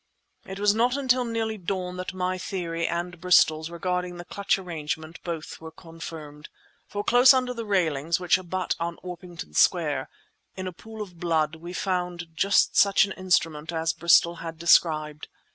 It was not until nearly dawn that my theory, and Bristol's, regarding the clutch arrangement, both were confirmed. For close under the railings which abut on Orpington Square, in a pool of blood we found just such an instrument as Bristol had described.